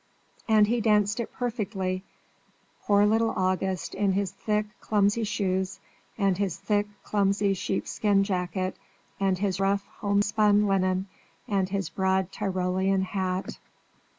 And he danced it perfectly poor little August in his thick, clumsy shoes, and his thick, clumsy sheepskin jacket, and his rough homespun linen, and his broad Tyrolean hat!